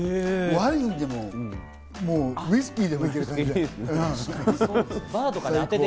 ワインに合う、ウイスキーでもいける。